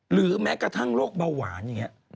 หรือแม้กระทั่งโรคเบาหวานอย่างนี้